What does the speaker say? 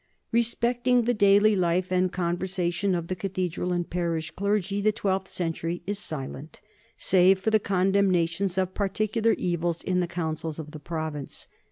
Respecting the daily life and conversation of the ca thedral and parish clergy the twelfth century is silent, save for the condemnations of particular evils in the councils of the province.